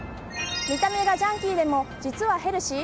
見た目がジャンキーでも実はヘルシー？